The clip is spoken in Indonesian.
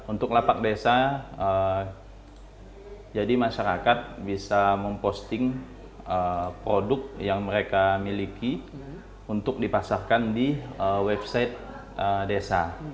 untuk lapak desa jadi masyarakat bisa memposting produk yang mereka miliki untuk dipasarkan di website desa